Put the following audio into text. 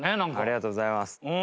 ありがとうございます。